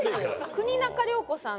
国仲涼子さん。